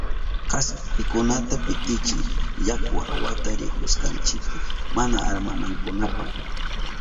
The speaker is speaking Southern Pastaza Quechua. Kaspikunata pitichiy yaku awata rihushkanchipi mana arkanankunapa.